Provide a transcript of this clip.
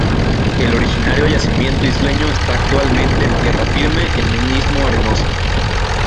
El originario yacimiento isleño está actualmente en tierra firme en un istmo arenoso.